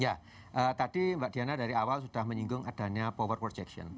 ya tadi mbak diana dari awal sudah menyinggung adanya power projection